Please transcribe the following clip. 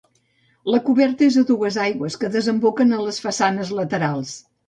La coberta és a dues aigües, que desemboquen a les façanes laterals.